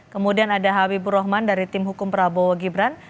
kemudian ada habibur rahman dari tim hukum prabowo gibran